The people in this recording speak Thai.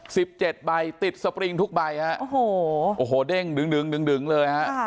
สิบเจ็ดใบติดสปริงทุกใบฮะโอ้โหโอ้โหเด้งดึงดึงดึงดึงดึงเลยฮะ